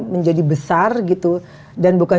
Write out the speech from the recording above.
menjadi besar gitu dan bukan